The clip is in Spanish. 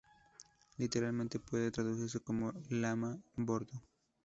Literalmente puede traducirse como "lama-bordo".